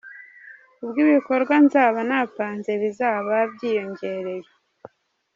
Ubwo ibikorwa nzaba napanze bizaba byiyongereye.